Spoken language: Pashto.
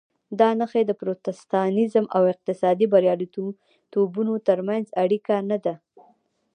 دا نښې د پروتستانېزم او اقتصادي بریالیتوبونو ترمنځ اړیکه نه ده.